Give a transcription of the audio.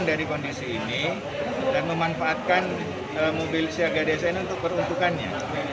kondisi ini dan memanfaatkan mobil sehat sigap desa ini untuk peruntukannya